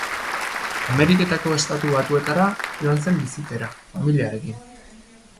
Ameriketako Estatu Batuetara joan zen bizitzera, familiarekin.